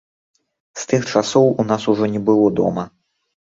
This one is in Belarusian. З тых часоў у нас ужо не было дома.